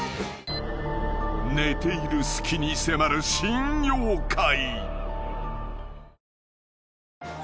［寝ている隙に迫る新妖怪］